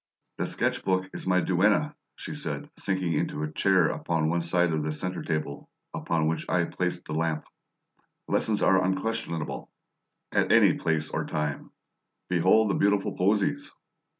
"The sketch book is my duenna," she said, sinking into a chair upon one side of the centre table, upon which I placed the lamp. "Lessons are unquestionable, at any place or time. Behold the beautiful posies!"